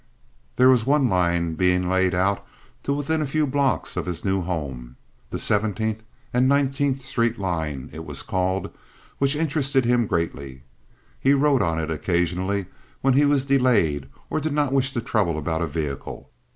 There was one line being laid out to within a few blocks of his new home—the Seventeenth and Nineteenth Street line it was called—which interested him greatly. He rode on it occasionally when he was delayed or did not wish to trouble about a vehicle.